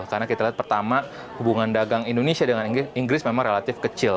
karena kita lihat pertama hubungan dagang indonesia dengan inggris memang relatif kecil